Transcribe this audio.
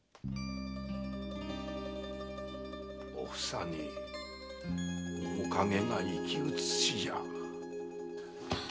おふさに面影が生き写しじゃ。